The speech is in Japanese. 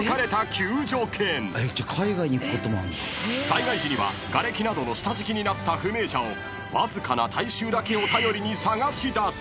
［災害時にはがれきなどの下敷きになった不明者をわずかな体臭だけを頼りに捜し出す］